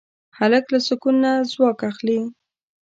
هلک له سکون نه ځواک اخلي.